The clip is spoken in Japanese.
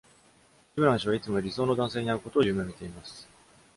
シムラン氏はいつも理想の男性に会うことを夢見ています。